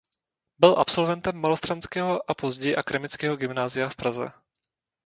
Byl absolventem Malostranského a později Akademického gymnázia v Praze.